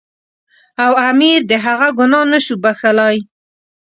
او امیر د هغه ګناه نه شو بخښلای.